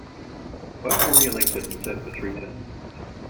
Both were re-elected and served for three terms.